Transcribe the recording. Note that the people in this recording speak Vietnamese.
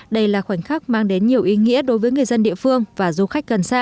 đây là khoảnh khắc mang đến nhiều ý nghĩa đối với người dân địa phương và du khách gần xa hân hoan đón mùa xuân về